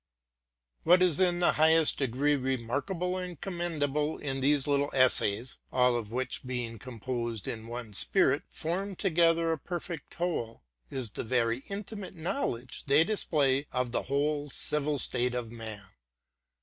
What is in the highest degree remarkable and commend able in these little essays, all of which, being composed in one spirit, form together a perfect whole, is the very intimate knowledge they display of the whole civil state of man.